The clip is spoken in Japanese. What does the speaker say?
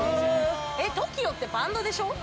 ＴＯＫＩＯってバンドでしょ？